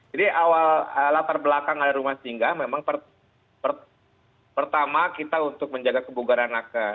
jadi awal latar belakang ada rumah singgah memang pertama kita untuk menjaga kebugaran anaknya